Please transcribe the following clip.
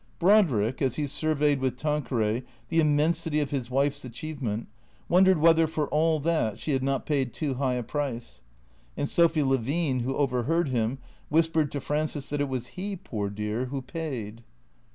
Brodrick, as he surveyed with Tanqueray the immensity of his wife's achievement, wondered whether, for all that, she had not paid too high a price. And Sophy Levine, who overheard him, whispered to Frances that it was he, poor dear, who paid.